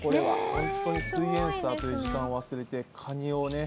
ほんとに「すイエんサー」という時間を忘れてカニをね。